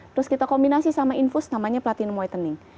terus kita kombinasi sama infus namanya platinum whitening